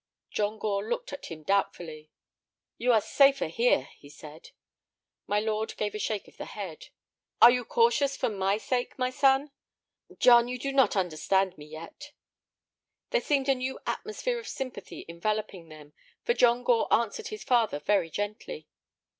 John Gore looked at him doubtfully. "You are safer here," he said. My lord gave a shake of the head. "Are you cautious for my sake, my son? John—John, you do not understand me yet." There seemed a new atmosphere of sympathy enveloping them, for John Gore answered his father very gently.